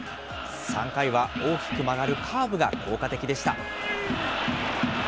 ３回は大きく曲がるカーブが効果的でした。